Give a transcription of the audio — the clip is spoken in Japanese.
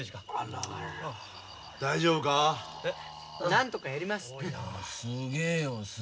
なんとかやります。